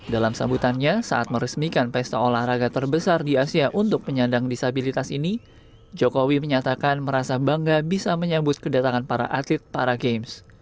dalam sambutannya saat meresmikan pesta olahraga terbesar di asia untuk penyandang disabilitas ini jokowi menyatakan merasa bangga bisa menyambut kedatangan para atlet para games